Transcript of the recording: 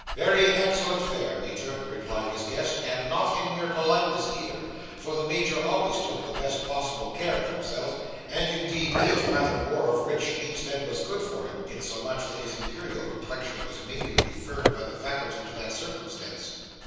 "Very excellent fare, Major," replied his guest; and not in mere politeness either; for the Major always took the best possible care of himself, and indeed ate rather more of rich meats than was good for him, insomuch that his Imperial complexion was mainly referred by the faculty to that circumstance.